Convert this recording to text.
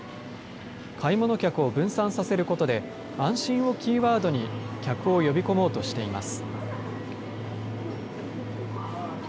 買い物客を分散させることで、安心をキーワードに客を呼び込もうとしています。